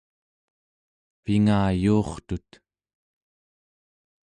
pingayuurtut